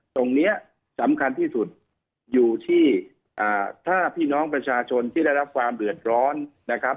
ตรงนี้สำคัญที่สุดอยู่ที่ถ้าพี่น้องประชาชนที่ได้รับความเดือดร้อนนะครับ